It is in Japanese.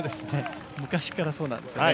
昔からそうなんです。